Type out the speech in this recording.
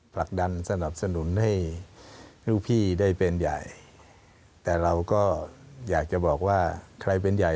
ผลักดันสนับสนุนให้ลูกพี่ได้เป็นใหญ่แต่เราก็อยากจะบอกว่าใครเป็นใหญ่